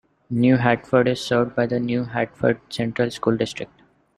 New Hartford is served by the New Hartford Central School District.